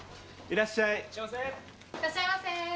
いらっしゃいませ。